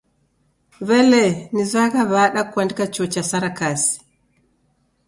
W'elee nizoyagha w'ada kuandika chuo cha sarakasi?